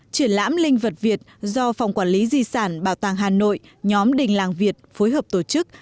triển lãm linh vật việt do phòng quản lý di sản bảo tàng hà nội nhóm đình làng việt phối hợp tổ chức